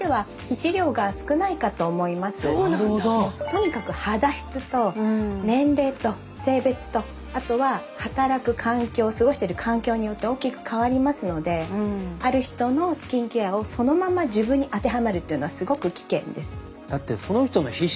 とにかく肌質と年齢と性別とあとは働く環境過ごしてる環境によって大きく変わりますのである人のスキンケアをそのまま自分に当てはめるというのはすごく危険です。